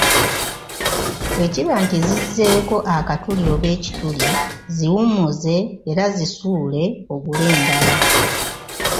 Bwe kiba nti zizzeeko akatuli oba ekituli ziwummuze era zisuule ogule endala.